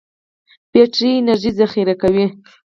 بټري انرژي ذخیره کوي.